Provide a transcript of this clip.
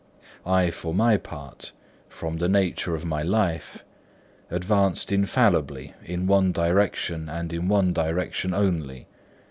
I, for my part, from the nature of my life, advanced infallibly in one direction and in one direction only.